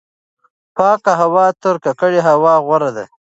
پاکه هوا تر ککړې هوا غوره ده.